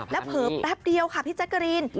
แล้วเผลอแป๊บเดียวค่ะพี่แจ๊กกะรีน